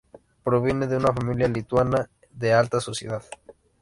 Proviene de una familia lituana de la alta sociedad.